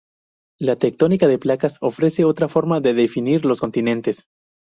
La tectónica de placas ofrece otra forma de definir los continentes.